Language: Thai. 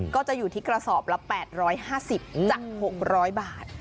ก็จะอยู่ที่กระสอบละ๘๕๐จาก๖๐๐บาท